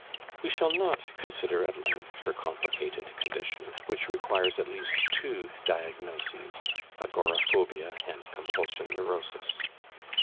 We shall not consider at length her complicated condition, which requires at least two diagnoses agoraphobia and compulsion neurosis.